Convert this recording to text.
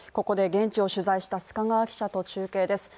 現地を取材した須賀川記者と中継です。